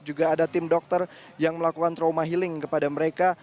juga ada tim dokter yang melakukan trauma healing kepada mereka